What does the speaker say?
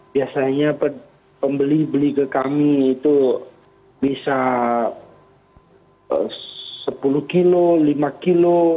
biasanya pembeli beli ke kami itu bisa sepuluh kilo lima kilo